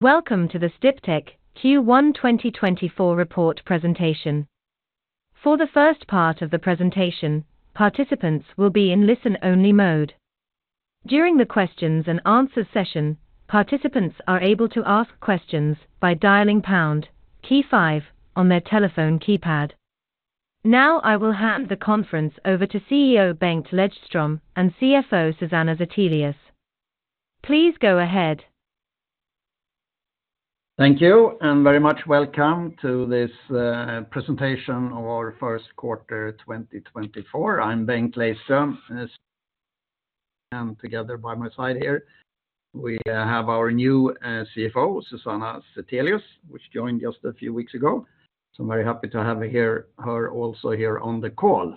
Welcome to the Sdiptech Q1 2024 report presentation. For the first part of the presentation, participants will be in listen-only mode. During the questions and answer session, participants are able to ask questions by dialing pound key five on their telephone keypad. Now I will hand the conference over to CEO Bengt Lejdström and CFO Susanna Zethelius. Please go ahead. Thank you, and very much welcome to this presentation of our first quarter 2024. I'm Bengt Lejdström, and together by my side here we have our new CFO, Susanna Zethelius, which joined just a few weeks ago, so I'm very happy to have her, her also here on the call.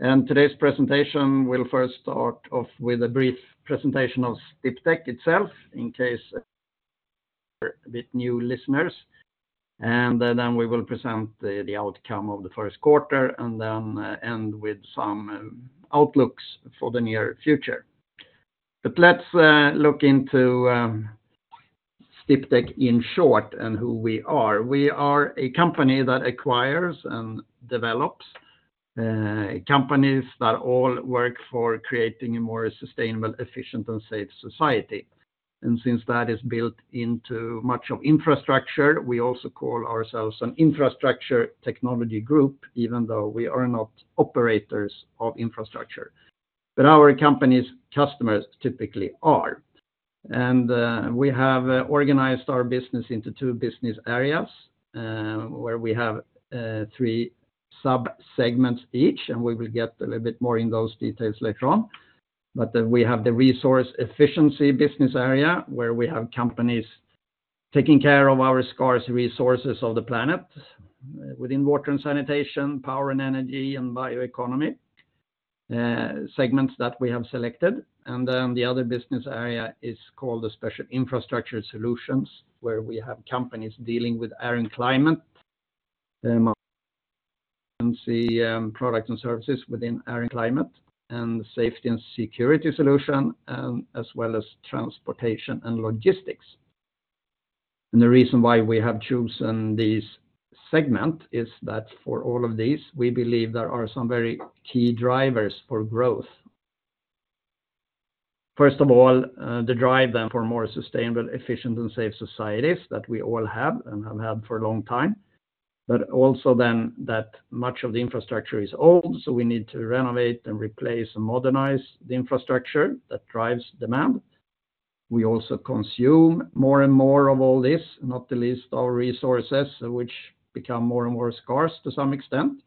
Today's presentation, we'll first start off with a brief presentation of Sdiptech itself, in case with new listeners, and then we will present the outcome of the first quarter and then end with some outlooks for the near future. Let's look into Sdiptech in short and who we are. We are a company that acquires and develops companies that all work for creating a more sustainable, efficient, and safe society. Since that is built into much of infrastructure, we also call ourselves an infrastructure technology group, even though we are not operators of infrastructure. Our company's customers typically are. We have organized our business into two business areas, where we have three sub-segments each, and we will get a little bit more in those details later on. Then we have the Resource Efficiency business area, where we have companies taking care of our scarce resources of the planet within water and sanitation, power and energy, and bioeconomy segments that we have selected. Then the other business area is called the Special Infrastructure Solutions, where we have companies dealing with air and climate, and the product and services within air and climate, and safety and security solution as well as transportation and logistics. The reason why we have chosen this segment is that for all of these, we believe there are some very key drivers for growth. First of all, the drive then for more sustainable, efficient, and safe societies that we all have and have had for a long time, but also then that much of the infrastructure is old, so we need to renovate and replace, and modernize the infrastructure that drives demand. We also consume more and more of all this, not the least our resources, which become more and more scarce to some extent.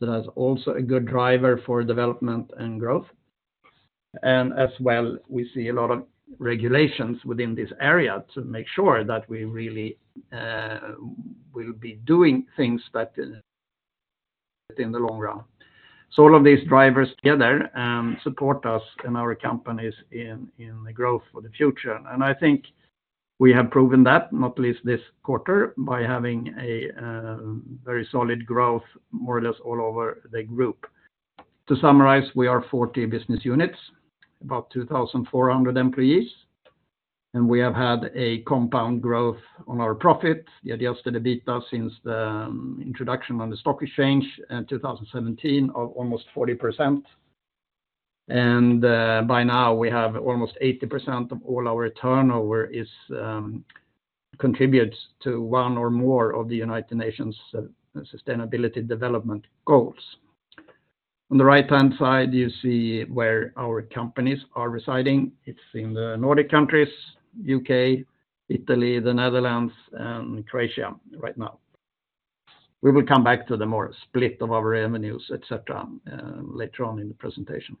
That is also a good driver for development and growth. As well, we see a lot of regulations within this area to make sure that we really will be doing things that in the long run. All of these drivers together support us and our companies in the growth for the future. I think we have proven that, not least this quarter, by having a very solid growth, more or less all over the group. To summarize, we are 40 business units, about 2,400 employees, and we have had a compound growth on our profit, the adjusted EBITDA, since the introduction on the stock exchange in 2017 of almost 40%. By now, we have almost 80% of all our turnover is contributes to one or more of the United Nations' Sustainable Development Goals. On the right-hand side, you see where our companies are residing. It's in the Nordic countries, U.K., Italy, the Netherlands, and Croatia right now. We will come back to the more split of our revenues, et cetera, later on in the presentation.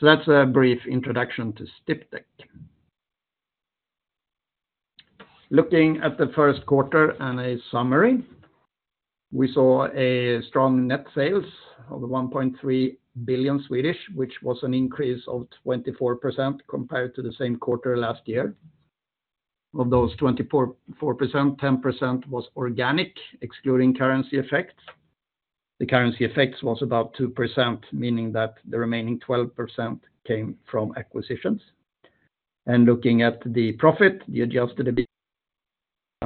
So that's a brief introduction to Sdiptech. Looking at the first quarter and a summary, we saw a strong net sales of 1.3 billion, which was an increase of 24% compared to the same quarter last year. Of those 24%, 10% was organic, excluding currency effects. The currency effects was about 2%, meaning that the remaining 12% came from acquisitions. Looking at the profit, the adjusted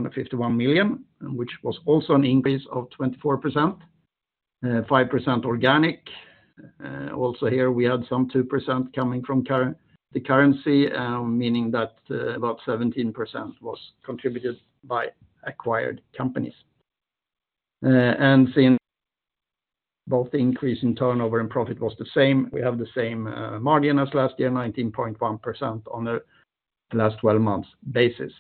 EBITDA, 151 million, which was also an increase of 24%, 5% organic. Also here, we had some 2% coming from the currency, meaning that about 17% was contributed by acquired companies. Since both the increase in turnover and profit was the same, we have the same margin as last year, 19.1% on the last 12 months basis.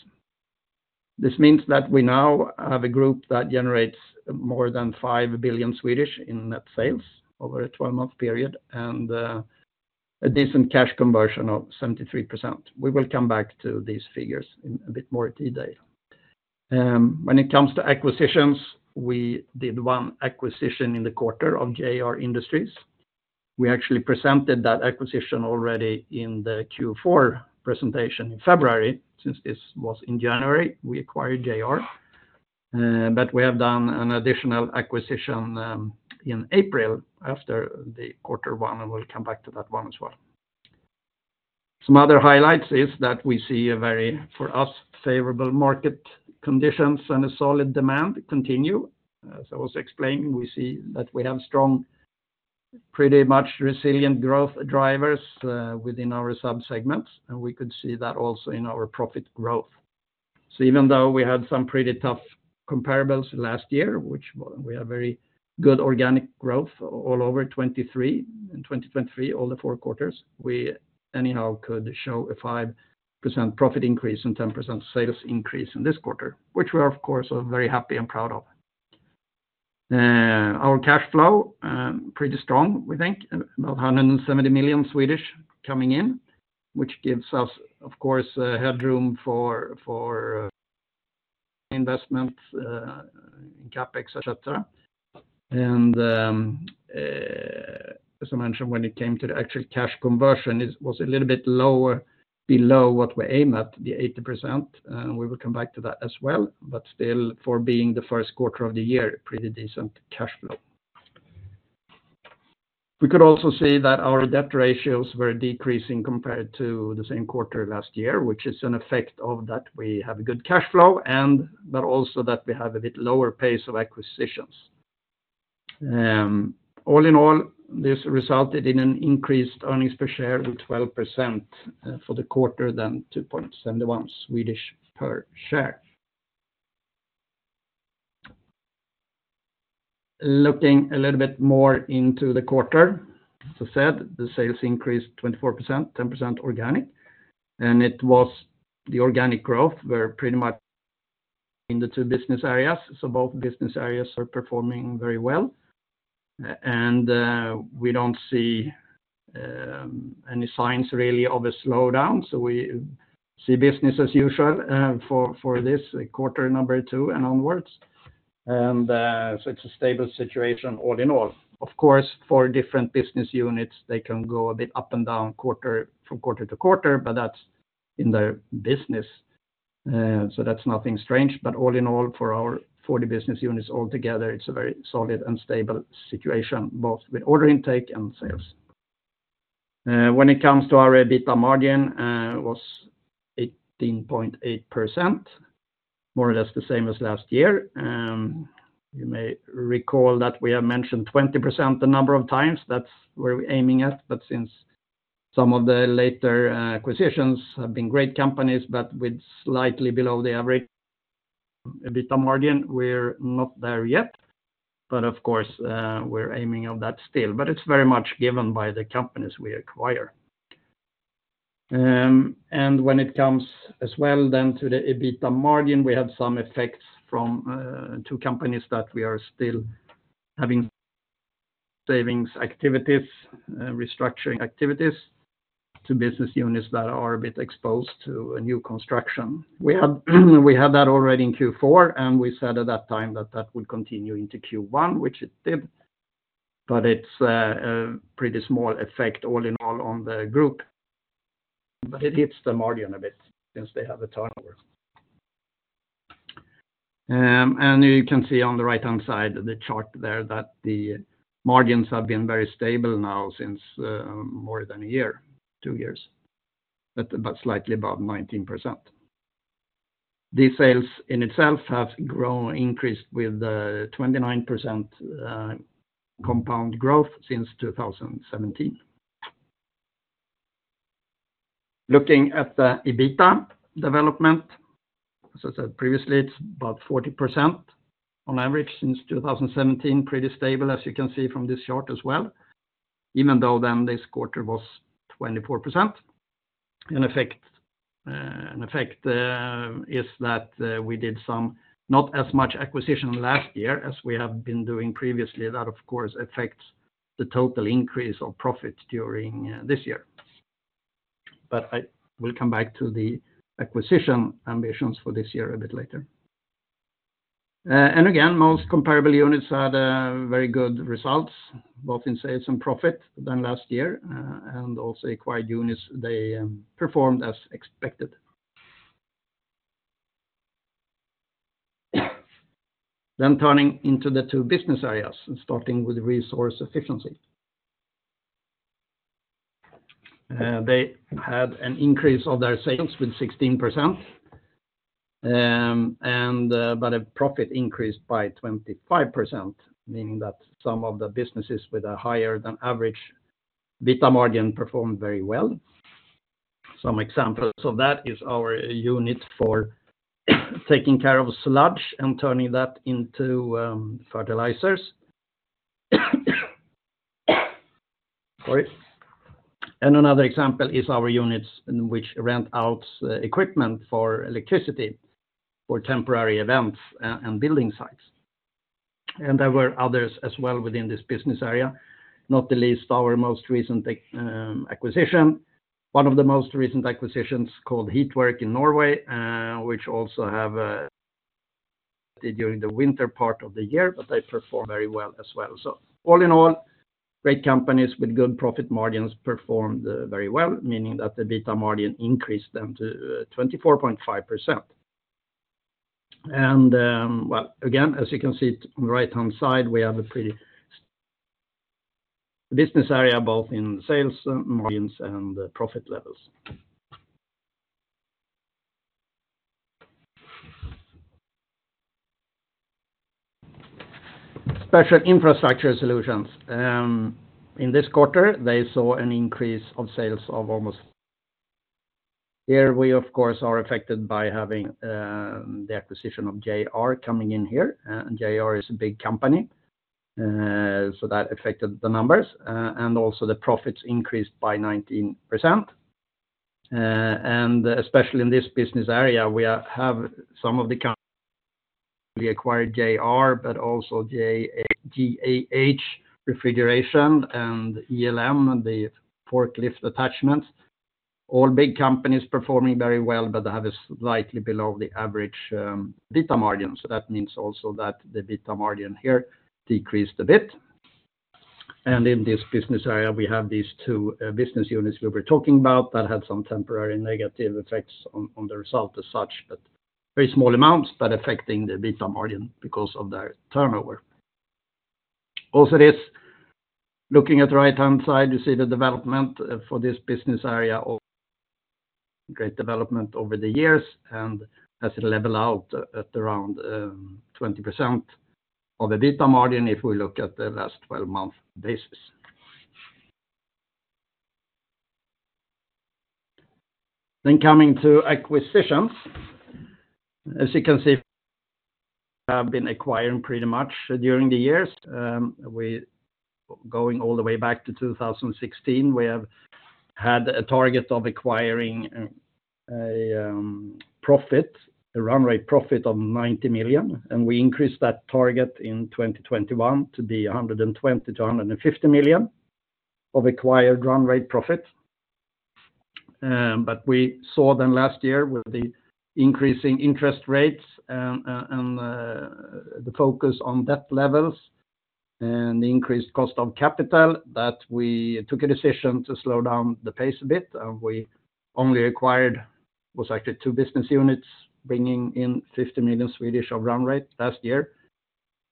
This means that we now have a group that generates more than 5 billion in net sales over a 12-month period, and a decent cash conversion of 73%. We will come back to these figures in a bit more detail. When it comes to acquisitions, we did one acquisition in the quarter of JR Industries. We actually presented that acquisition already in the Q4 presentation in February, since this was in January, we acquired JR Industries, but we have done an additional acquisition in April after the quarter one, and we'll come back to that one as well. Some other highlights is that we see a very, for us, favorable market conditions and a solid demand continue. As I was explaining, we see that we have strong, pretty much resilient growth drivers, within our sub-segments, and we could see that also in our profit growth. Even though we had some pretty tough comparables last year, which we have very good organic growth all over 2023, in 2023, all the four quarters, we anyhow could show a 5% profit increase and 10% sales increase in this quarter, which we are, of course, very happy and proud of. Our cash flow, pretty strong, we think, about 170 million coming in, which gives us, of course, a headroom for investment, in CapEx, et cetera. As I mentioned, when it came to the actual cash conversion, it was a little bit lower, below what we aim at, the 80%, and we will come back to that as well. Still, for being the first quarter of the year, pretty decent cash flow. We could also see that our debt ratios were decreasing compared to the same quarter last year, which is an effect of that we have a good cash flow and but also that we have a bit lower pace of acquisitions. All in all, this resulted in an increased earnings per share with 12%, for the quarter than 2.71 per share. Looking a little bit more into the quarter, as I said, the sales increased 24%, 10% organic, and it was the organic growth were pretty much in the two business areas, so both business areas are performing very well. We don't see any signs really of a slowdown, so we see business as usual, for this quarter number two and onwards. It's a stable situation all in all. Of course, for different business units, they can go a bit up and down quarter-to-quarter, but that's in their business, so that's nothing strange. But all in all, for our 40 business units altogether, it's a very solid and stable situation, both with order intake and sales. When it comes to our EBITDA margin, was 18.8%, more or less the same as last year. You may recall that we have mentioned 20% a number of times. That's where we're aiming at, but since some of the later acquisitions have been great companies, but with slightly below the average EBITDA margin, we're not there yet, but of course, we're aiming of that still. It's very much given by the companies we acquire. And when it comes as well, then to the EBITDA margin, we have some effects from two companies that we are still having savings activities, restructuring activities to business units that are a bit exposed to a new construction. We had that already in Q4, and we said at that time that that would continue into Q1, which it did, but it's a pretty small effect all in all on the group, but it hits the margin a bit since they have the turnover. You can see on the right-hand side, the chart there, that the margins have been very stable now since more than a year, two years, but slightly above 19%. These sales in itself have grown, increased with 29% compound growth since 2017. Looking at the EBITDA development, as I said previously, it's about 40% on average since 2017. Pretty stable, as you can see from this chart as well, even though then this quarter was 24%. In effect, that is, we did some, not as much acquisition last year as we have been doing previously. That, of course, affects the total increase of profit during this year. But I will come back to the acquisition ambitions for this year a bit later. Again, most comparable units had a very good results, both in sales and profit than last year, and also acquired units, they performed as expected. Then turning to the two business areas and starting with Resource Efficiency. They had an increase of their sales with 16%, and but a profit increased by 25%, meaning that some of the businesses with a higher than average EBITDA margin performed very well. Some examples of that is our unit for taking care of sludge and turning that into fertilizers. Sorry. Another example is our units in which rent out equipment for electricity, for temporary events, and building sites. There were others as well within this business area, not the least, our most recent acquisition, one of the most recent acquisitions called HeatWork in Norway, which also have during the winter part of the year, but they perform very well as well. Great companies with good profit margins performed very well, meaning that the EBITDA margin increased them to 24.5%. And, well, again, as you can see on the right-hand side, we have a pretty business area, both in sales, margins, and profit levels. Special Infrastructure Solutions. In this quarter, they saw an increase of sales. Here we, of course, are affected by having the acquisition of JR coming in here, and JR is a big company, so that affected the numbers, and also the profits increased by 19%. Especially in this business area, we have some of the companies acquired JR, but also GAH Refrigeration and ELM, the forklift attachments. All big companies performing very well, but they have a slightly below the average EBITDA margin. That means also that the EBITDA margin here decreased a bit. In this business area, we have these two business units we were talking about that had some temporary negative effects on the result as such, but very small amounts, but affecting the EBITDA margin because of their turnover. Also, this, looking at the right-hand side, you see the development for this business area of great development over the years, and has it level out at around 20% of the EBITDA margin, if we look at the last 12-month basis. Then coming to acquisitions. As you can see, have been acquiring pretty much during the years. Going all the way back to 2016, we have had a target of acquiring profit, a run rate profit of 90 million, and we increased that target in 2021 to be 120 million-150 million of acquired run rate profit. We saw then last year with the increasing interest rates and the focus on debt levels and the increased cost of capital, that we took a decision to slow down the pace a bit, and we only acquired, was actually two business units, bringing in 50 million of run rate last year.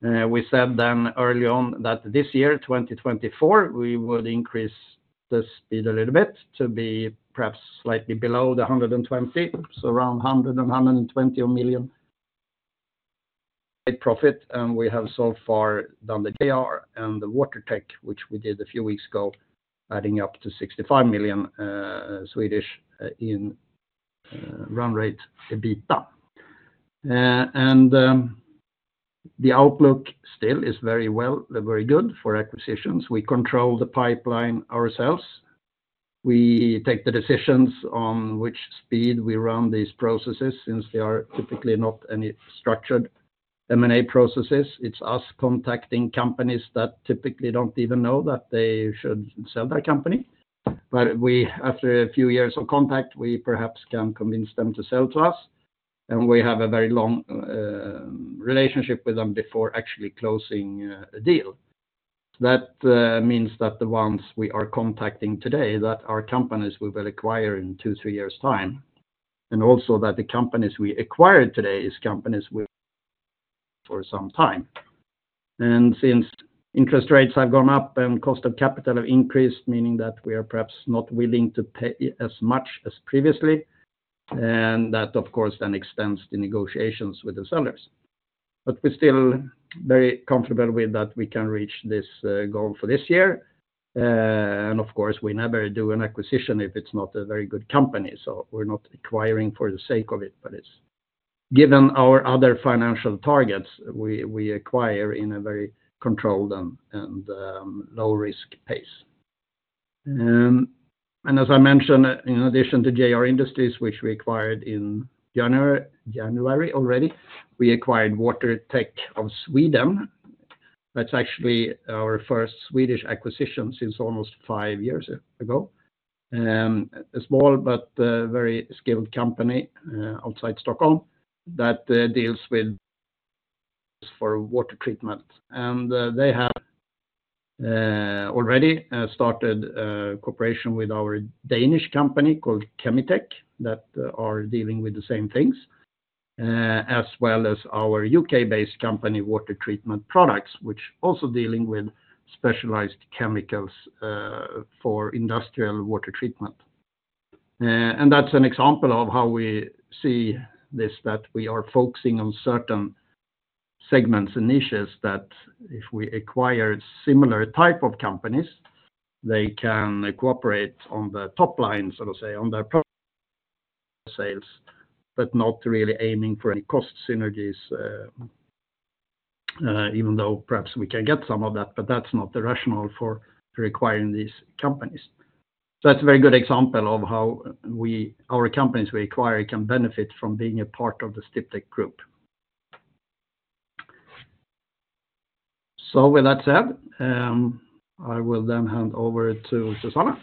We said then early on that this year, 2024, we would increase the speed a little bit to be perhaps slightly below the 120, so around 100 million-120 million profit. We have so far done the JR and the Water Tech, which we did a few weeks ago, adding up to 65 million in run rate EBITDA. The outlook still is very well, very good for acquisitions. We control the pipeline ourselves. We take the decisions on which speed we run these processes, since they are typically not any structured M&A processes. It's us contacting companies that typically don't even know that they should sell their company, but we, after a few years of contact, we perhaps can convince them to sell to us, and we have a very long, relationship with them before actually closing, a deal. That, means that the ones we are contacting today, that are companies we will acquire in two-three years time, and also that the companies we acquire today is companies with for some time. Since interest rates have gone up and cost of capital have increased, meaning that we are perhaps not willing to pay as much as previously, and that, of course, then extends the negotiations with the sellers. We're still very comfortable with that we can reach this goal for this year. Of course, we never do an acquisition if it's not a very good company, so we're not acquiring for the sake of it, but it's given our other financial targets, we acquire in a very controlled and low risk pace. As I mentioned, in addition to JR Industries, which we acquired in January already, we acquired Water Tech of Sweden. That's actually our first Swedish acquisition since almost five years ago. A small but very skilled company outside Stockholm, that deals with water treatment. They have already started a cooperation with our Danish company called Kemi-tech, that are dealing with the same things, as well as our UK-based company, Water Treatment Products, which also dealing with specialized chemicals, for industrial water treatment. That's an example of how we see this, that we are focusing on certain segments and niches, that if we acquire similar type of companies, they can cooperate on the top line, so to say, on their sales, but not really aiming for any cost synergies, even though perhaps we can get some of that, but that's not the rationale for acquiring these companies. That's a very good example of how our companies we acquire can benefit from being a part of the Sdiptech group. With that said, I will then hand over to Susanna.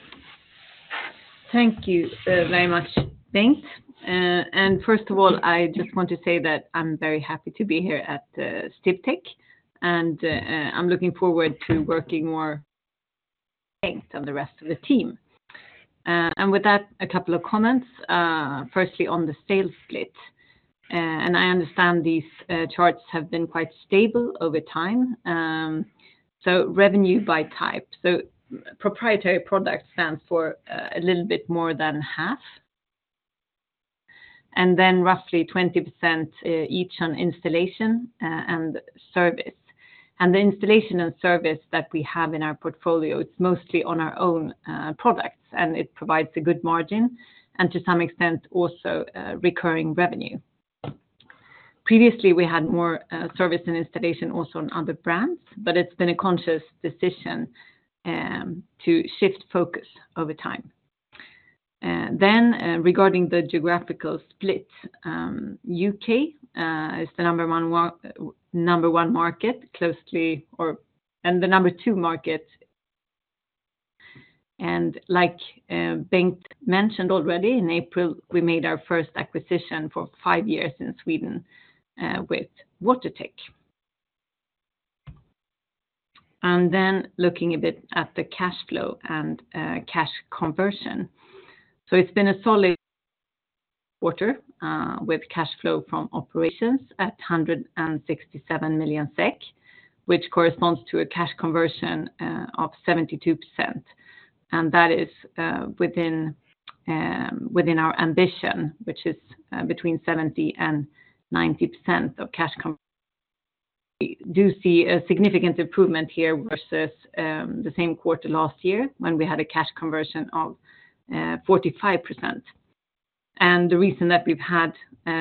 Thank you, very much, Bengt. First of all, I just want to say that I'm very happy to be here at Sdiptech, and I'm looking forward to working more with Bengt and the rest of the team. With that, a couple of comments. Firstly, on the sales split, and I understand these charts have been quite stable over time. Revenue by type. Proprietary products stand for a little bit more than half, and then roughly 20% each on installation and service. The installation and service that we have in our portfolio, it's mostly on our own products, and it provides a good margin, and to some extent, also recurring revenue. Previously, we had more service and installation also on other brands, but it's been a conscious decision to shift focus over time. Then, regarding the geographical split, U.K. is the number one market, closely and the number two market. Like, Bengt mentioned already, in April, we made our first acquisition for five years in Sweden with Water Tech. Then looking a bit at the cash flow and cash conversion. It's been a solid quarter with cash flow from operations at 167 million SEK, which corresponds to a cash conversion of 72%. That is within our ambition, which is between 70% and 90%. We do see a significant improvement here versus the same quarter last year, when we had a cash conversion of 45%. The reason that we've had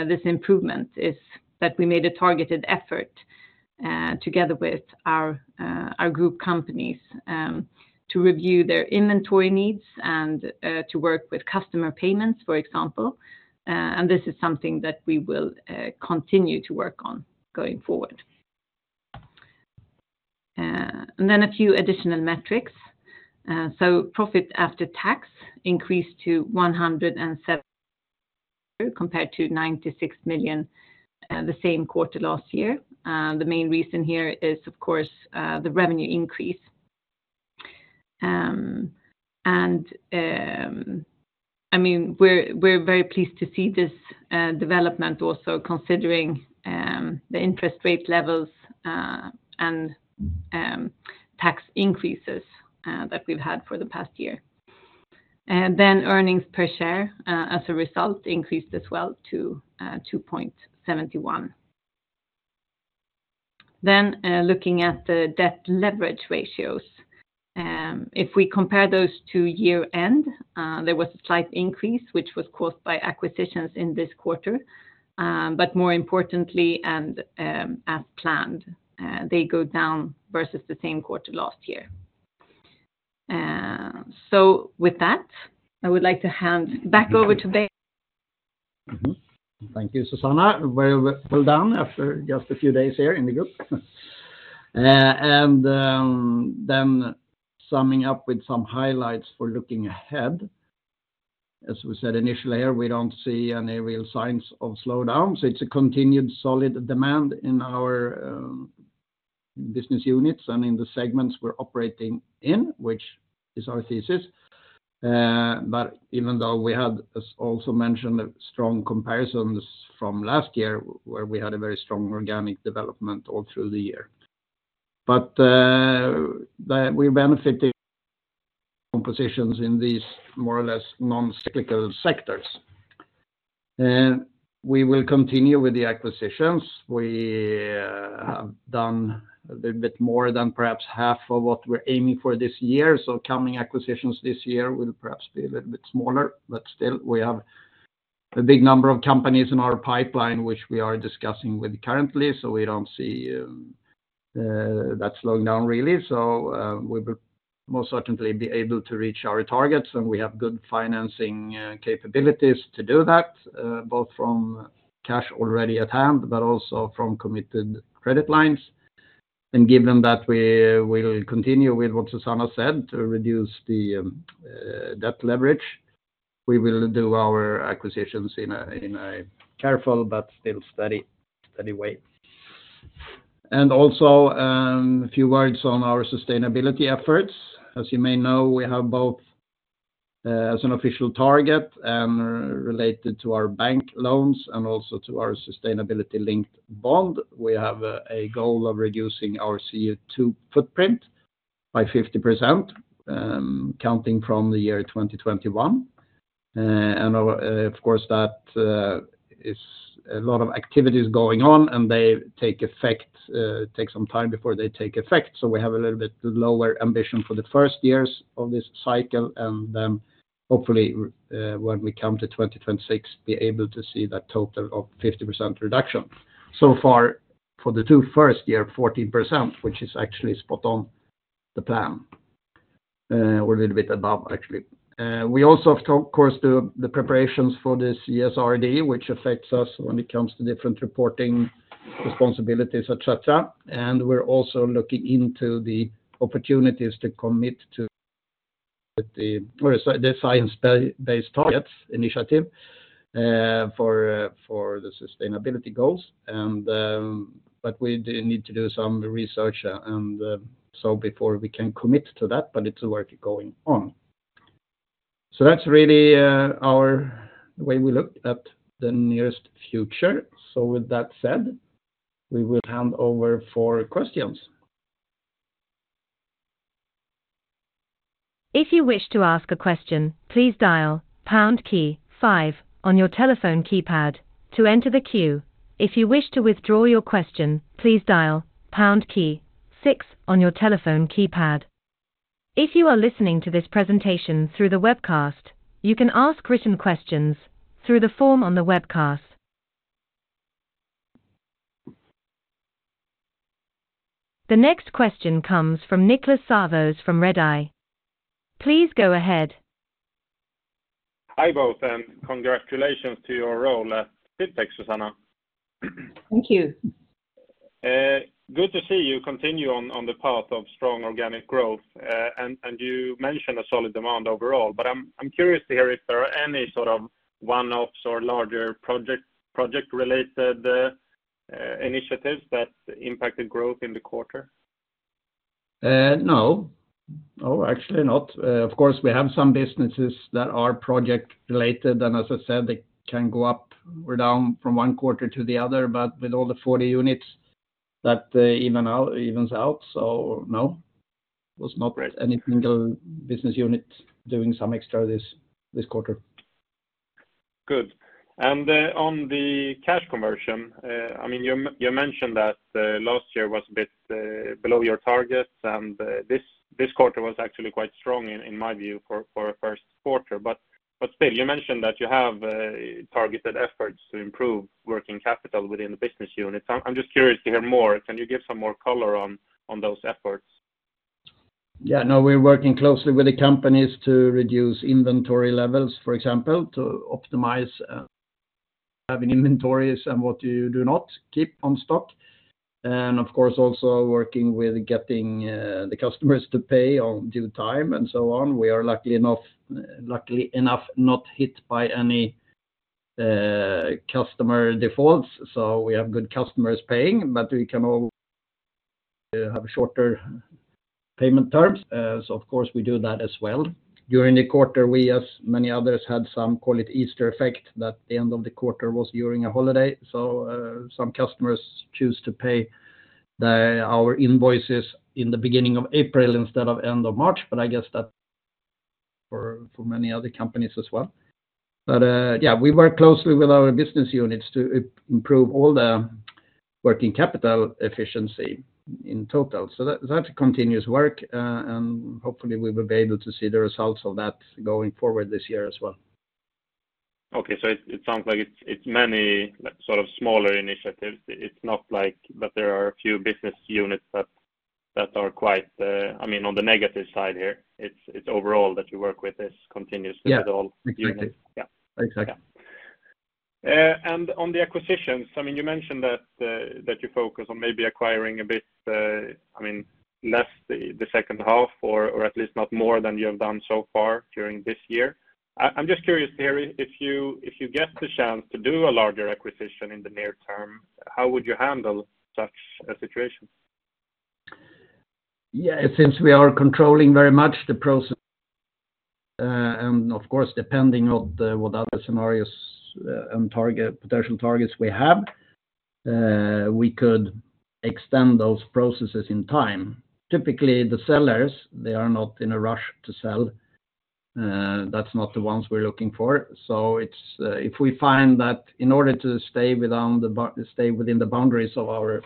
this improvement is that we made a targeted effort together with our group companies to review their inventory needs and to work with customer payments, for example. This is something that we will continue to work on going forward. Then a few additional metrics. Profit after tax increased to 107 million compared to 96 million the same quarter last year. The main reason here is, of course, the revenue increase. I mean, we're very pleased to see this development also considering the interest rate levels and tax increases that we've had for the past year. Then earnings per share, as a result, increased as well to 2.71. Then, looking at the debt leverage ratios. If we compare those to year-end, there was a slight increase, which was caused by acquisitions in this quarter, but more importantly, and as planned, they go down versus the same quarter last year. With that, I would like to hand back over to Bengt. Thank you, Susanna. Well, well done after just a few days here in the group. Then summing up with some highlights for looking ahead. As we said initially, we don't see any real signs of slowdown, so it's a continued solid demand in our business units and in the segments we're operating in, which is our thesis. Even though we had, as also mentioned, the strong comparisons from last year, where we had a very strong organic development all through the year, we benefited from acquisitions in these more or less non-cyclical sectors. We will continue with the acquisitions. We have done a little bit more than perhaps half of what we're aiming for this year, so coming acquisitions this year will perhaps be a little bit smaller, but still, we have a big number of companies in our pipeline, which we are discussing with currently, so we don't see that slowing down, really. So, we will most certainly be able to reach our targets, and we have good financing capabilities to do that, both from cash already at hand, but also from committed credit lines. Given that, we will continue with what Susanna said, to reduce the debt leverage. We will do our acquisitions in a careful but still steady way. Also, a few words on our sustainability efforts. As you may know, we have both, as an official target and related to our bank loans and also to our sustainability-linked bond, we have a goal of reducing our CO2 footprint by 50%, counting from the year 2021. Of course, that is a lot of activities going on, and they take effect, take some time before they take effect, so we have a little bit lower ambition for the first years of this cycle, and then hopefully, when we come to 2026, be able to see that total of 50% reduction. So far, for the two first year, 40%, which is actually spot on the plan, or a little bit above actually. We also, of course, do the preparations for this CSRD, which affects us when it comes to different reporting. Responsibilities, et cetera. We're also looking into the opportunities to commit to the, or the Science Based Targets initiative for, for the sustainability goals. And, but we do need to do some research and, so before we can commit to that, but it's work going on. That's really, our, the way we look at the nearest future. So with that said, we will hand over for questions. If you wish to ask a question, please dial pound key five on your telephone keypad to enter the queue. If you wish to withdraw your question, please dial pound key six on your telephone keypad. If you are listening to this presentation through the webcast, you can ask written questions through the form on the webcast. The next question comes from Niklas Sävås from Redeye. Please go ahead. Hi, both, and congratulations to your role at Sdiptech, Susanna. Thank you. Good to see you continue on the path of strong organic growth. You mentioned a solid demand overall, but I'm curious to hear if there are any sort of one-offs or larger project-related initiatives that impacted growth in the quarter? No. No, actually not. Of course, we have some businesses that are project related, and as I said, they can go up or down from one quarter to the other, but with all the 40 units, that even out, evens out. So no, was not any single business unit doing some extra this, this quarter. Good. On the cash conversion, I mean, you mentioned that last year was a bit below your targets, and this quarter was actually quite strong in my view for a first quarter. But still, you mentioned that you have targeted efforts to improve working capital within the business unit. I'm just curious to hear more. Can you give some more color on those efforts? Yeah. No, we're working closely with the companies to reduce inventory levels, for example, to optimize, having inventories and what you do not keep on stock. And of course, also working with getting, the customers to pay on due time and so on. We are lucky enough, luckily enough, not hit by any, customer defaults, so we have good customers paying, but we can all, have shorter payment terms. Of course, we do that as well. During the quarter, we, as many others, had some call it Easter effect, that the end of the quarter was during a holiday. So, some customers choose to pay the, our invoices in the beginning of April instead of end of March, but I guess that for, for many other companies as well. Yeah, we work closely with our business units to improve all the working capital efficiency in total. That continues work, and hopefully, we will be able to see the results of that going forward this year as well. Okay. So it sounds like it's many, sort of, smaller initiatives. It's not like, but there are a few business units that are quite. I mean, on the negative side here, it's overall that you work with this continuously with all units. On the acquisitions, I mean, you mentioned that you focus on maybe acquiring a bit less in the second half, or at least not more than you have done so far during this year. I'm just curious to hear if you get the chance to do a larger acquisition in the near term, how would you handle such a situation? Yeah, since we are controlling very much the process, and of course, depending on the what other scenarios and target potential targets we have, we could extend those processes in time. Typically, the sellers they are not in a rush to sell. That's not the ones we're looking for. So it's if we find that in order to stay within the boundaries of our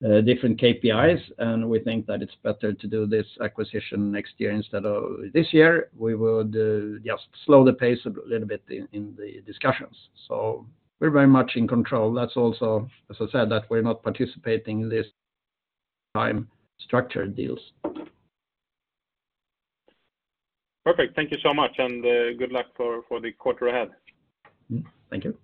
different KPIs, and we think that it's better to do this acquisition next year instead of this year, we would just slow the pace a little bit in the discussions. We're very much in control. That's also, as I said, that we're not participating in this time structured deals. Perfect. Thank you so much, and good luck for the quarter ahead. Thank you.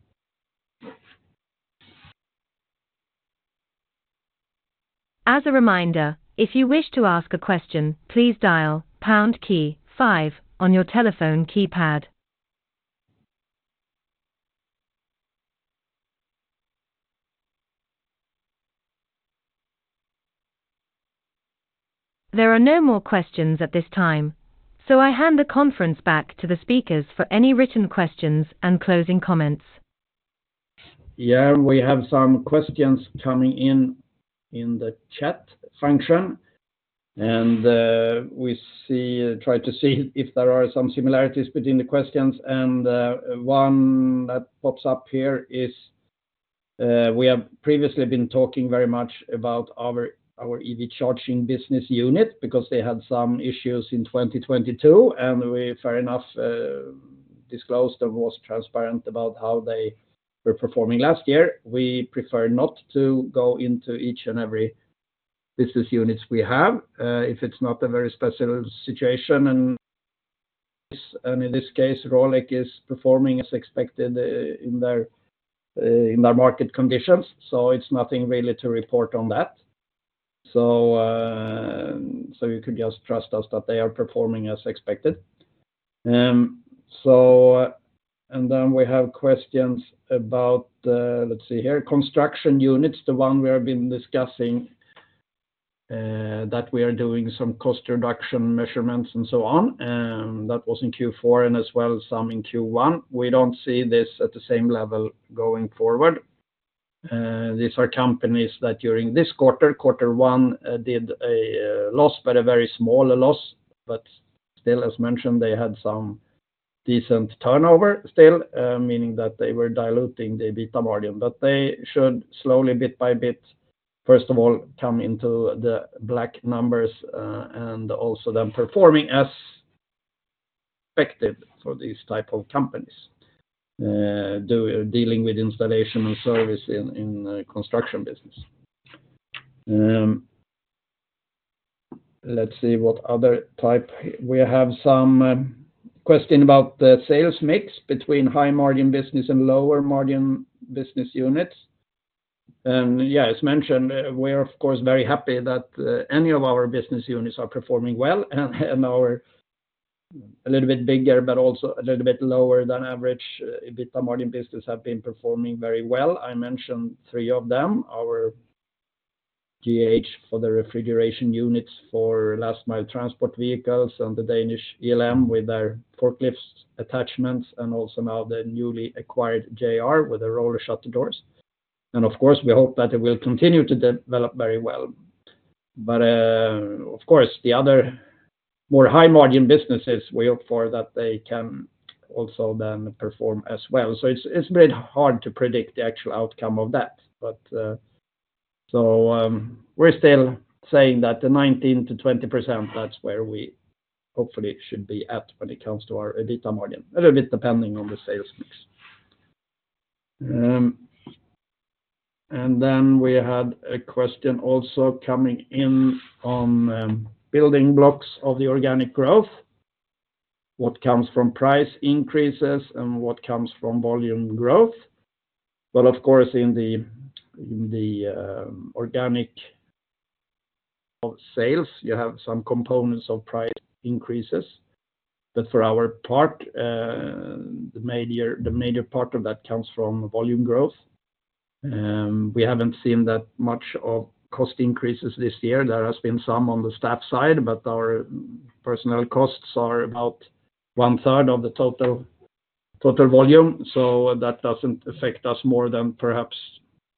As a reminder, if you wish to ask a question, please dial pound key five on your telephone keypad. There are no more questions at this time, so I hand the conference back to the speakers for any written questions and closing comments. Yeah, we have some questions coming in in the chat function, and we see, try to see if there are some similarities between the questions. One that pops up here is, we have previously been talking very much about our, our EV charging business unit because they had some issues in 2022, and we fair enough, disclosed and was transparent about how they were performing last year. We prefer not to go into each and every business units we have, if it's not a very special situation and and in this case, Rolec is performing as expected in their, in their market conditions, so it's nothing really to report on that. So, so you could just trust us that they are performing as expected. Then we have questions about, let's see here, construction units, the one we have been discussing, that we are doing some cost reduction measurements and so on, that was in Q4 and as well as some in Q1. We don't see this at the same level going forward. These are companies that during this quarter, quarter one, did a loss, but a very small loss, but still, as mentioned, they had some decent turnover still, meaning that they were diluting the EBITDA margin. But they should slowly, bit by bit, first of all, come into the black numbers, and also then performing as expected for these type of companies, dealing with installation and service in the construction business. Let's see what other type. We have some question about the sales mix between high-margin business and lower-margin business units. And yeah, as mentioned, we are, of course, very happy that any of our business units are performing well, and our a little bit bigger but also a little bit lower than average EBITDA margin business have been performing very well. I mentioned three of them, our GAH for the refrigeration units for last mile transport vehicles and the Danish ELM with their forklifts attachments, and also now the newly acquired JR with the roller shutter doors. And of course, we hope that it will continue to develop very well. But, of course, the other more high-margin businesses, we hope for that they can also then perform as well. It's, it's a bit hard to predict the actual outcome of that, but... We're still saying that the 19%-20%, that's where we hopefully should be at when it comes to our EBITDA margin, a little bit depending on the sales mix. Then we had a question also coming in on, building blocks of the organic growth. What comes from price increases and what comes from volume growth? Well, of course, in the organic of sales, you have some components of price increases. But for our part, the major part of that comes from volume growth. We haven't seen that much of cost increases this year. There has been some on the staff side, but our personnel costs are about 1/3 of the total total volume, so that doesn't affect us more than perhaps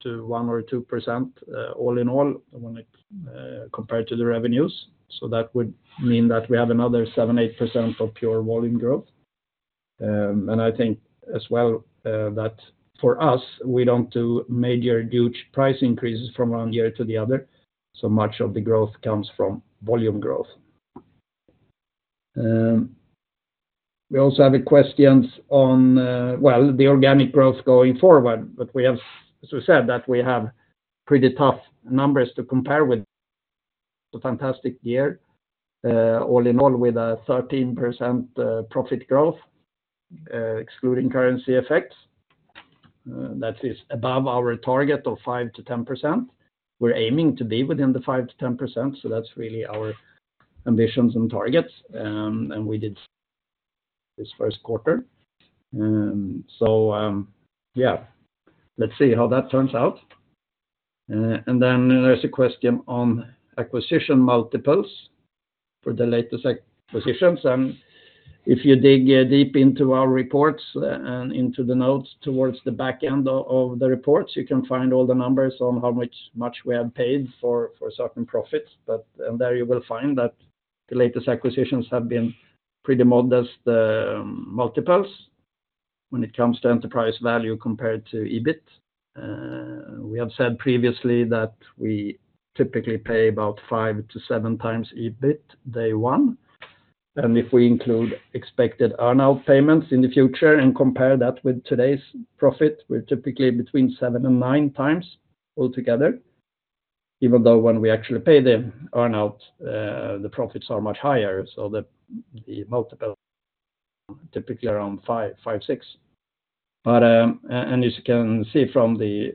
to 1% or 2%, all in all, when it compared to the revenues. That would mean that we have another 7%-8% of pure volume growth. I think as well that for us, we don't do major huge price increases from one year to the other, so much of the growth comes from volume growth. We also have questions on, well, the organic growth going forward, but we have, as we said, that we have pretty tough numbers to compare with the fantastic year, all in all, with a 13% profit growth, excluding currency effects. That is above our target of 5%-10%. We're aiming to be within the 5%-10%, so that's really our ambitions and targets, and we did this first quarter. So, yeah, let's see how that turns out. Then there's a question on acquisition multiples for the latest acquisitions, and if you dig deep into our reports and into the notes towards the back end of the reports, you can find all the numbers on how much we have paid for certain profits. But, and there you will find that the latest acquisitions have been pretty modest multiples when it comes to enterprise value compared to EBIT. We have said previously that we typically pay about 5-7x EBIT day one. If we include expected earn-out payments in the future and compare that with today's profit, we're typically between 7-9x altogether, even though when we actually pay the earn-out, the profits are much higher, so the multiple typically around five, five, six. But, and as you can see from the,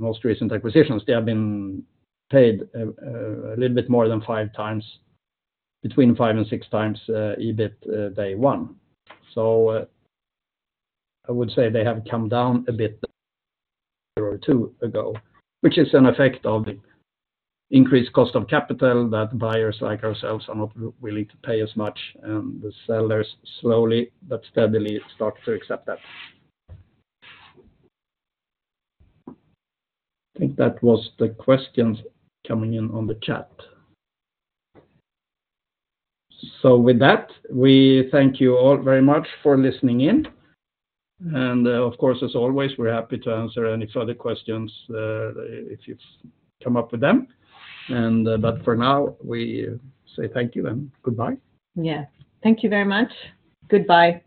most recent acquisitions, they have been paid, a little bit more than 5x, between 5-6x, EBIT, day one. So I would say they have come down a bit than a year or two ago, which is an effect of the increased cost of capital that buyers like ourselves are not willing to pay as much, and the sellers slowly but steadily start to accept that. I think that was the questions coming in on the chat. With that, we thank you all very much for listening in. Of course, as always, we're happy to answer any further questions if you come up with them. But for now, we say thank you and goodbye. Yeah. Thank you very much. Goodbye.